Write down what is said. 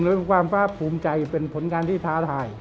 หรือความภาคภูมิใจเป็นผลงานที่ท้าทาย